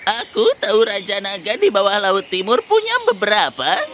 aku tahu raja naga di bawah laut timur punya beberapa